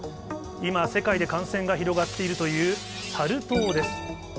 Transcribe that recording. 今、世界で感染が広がっているというサル痘です。